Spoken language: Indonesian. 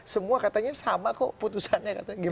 semua katanya sama kok putusannya